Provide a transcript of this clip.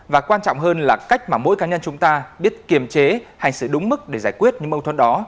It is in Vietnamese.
và quan trọng hơn là cách mà mỗi cá nhân chúng ta biết kiềm chế hành xử đúng mức để giải quyết những mâu thuẫn đó